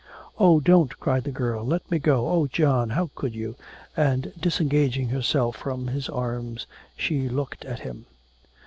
'Oh, don't,' cried the girl, 'let me go oh, John, how could you,' and disengaging herself from his arms she looked at him.